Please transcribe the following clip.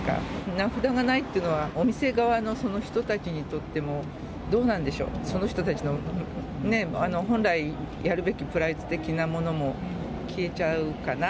名札がないっていうのは、お店側のその人たちにとってもどうなんでしょう、その人たちのね、本来やるべきプライド的なものも消えちゃうかな。